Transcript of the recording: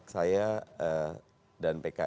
saya dan pks adalah pendukung